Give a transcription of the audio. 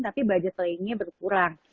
tapi budget playingnya berkurang